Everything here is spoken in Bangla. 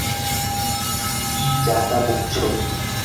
কী যা তা বলছো?